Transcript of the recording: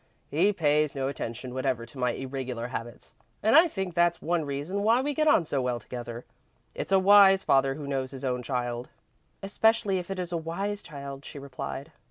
"He pays no attention whatever to my irregular habits, and I think that's one reason why we get on so well together. It's a wise father who knows his own child." "Especially if it is a wise child," she replied.